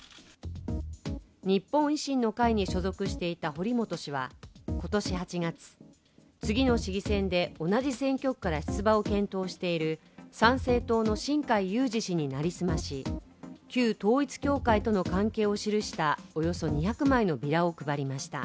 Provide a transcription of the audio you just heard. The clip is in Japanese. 日本維新の会に所属していた堀本氏は今年８月、次の市議選で同じ選挙区から出馬を検討している参政党の新開裕司氏に成り済まし、旧統一教会との関係を記したおよそ２００枚のビラを配りました。